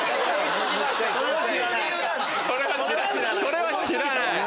それは知らない。